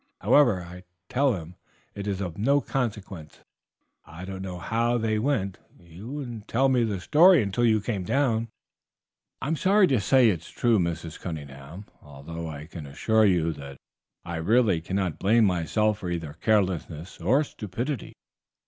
However, I tell him it is of no consequence. I don't know how they went. He would not tell me the story until you came down." "I am sorry to say it is true, Mrs. Cunningham, although I can assure you that I really cannot blame myself for either carelessness or stupidity.